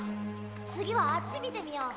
つぎはあっちみてみよう。